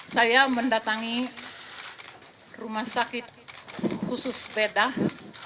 saya mendatangi rumah sakit khusus bedah